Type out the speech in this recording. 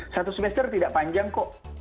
satu semester tidak panjang kok